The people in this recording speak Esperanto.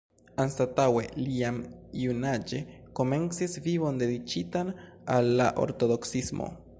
Anstataŭe, li jam junaĝe komencis vivon dediĉitan al la ortodoksismo.